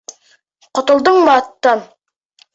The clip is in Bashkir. Ҡотолдоңмо аттан?